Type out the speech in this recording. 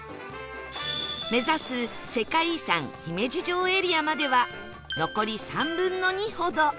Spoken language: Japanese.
目指す世界遺産姫路城エリアまでは残り３分の２ほど